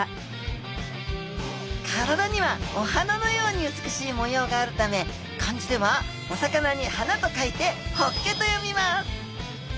体にはお花のように美しい模様があるため漢字ではお魚に花と書いてホッケと読みます。